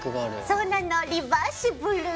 そうなのリバーシブル。